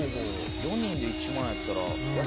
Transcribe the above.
「４人で１万円やったら安いね」